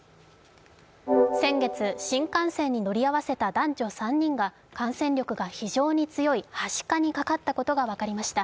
先月、新幹線に乗り合わせた男女３人が感染力が非常に強いはしかにかかったことが分かりました。